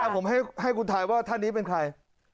ผมให้คุณถ่ายว่าท่านนี้เป็นใคร